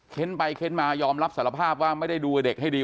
ไปเค้นมายอมรับสารภาพว่าไม่ได้ดูเด็กให้ดี